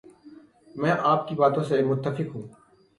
میں آپ کی باتوں سے متفق ہوں